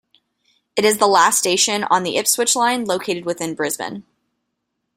It is the last station on the Ipswich line located within Brisbane.